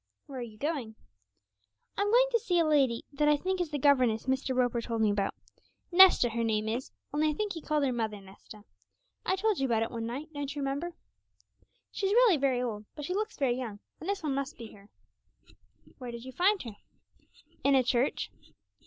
'Where are you going?' 'I'm going to see a lady that I think is the governess Mr. Roper told me about; Nesta, her name is, only I think he called her Mother Nesta. I told you about it one night, don't you remember? she's really very old, but she looks very young, and this one must be her.' 'Where did you find her?' 'In a church.'